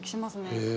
へえ。